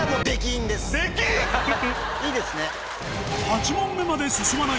いいですね。